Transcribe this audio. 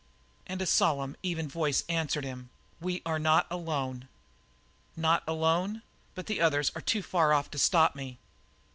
And a solemn, even voice answered him, "We are not alone." "Not alone, but the others are too far off to stop me."